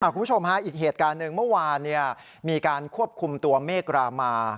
คุณผู้ชมฮะอีกเหตุการณ์หนึ่งเมื่อวานมีการควบคุมตัวเมฆรามา